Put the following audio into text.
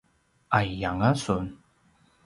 ’ay’ianga sun?